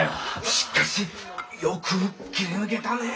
しっかしよく切り抜けたねえ。